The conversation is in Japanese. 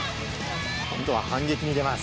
今度は反撃に出ます。